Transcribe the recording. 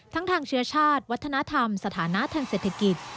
ทางเชื้อชาติวัฒนธรรมสถานะทางเศรษฐกิจ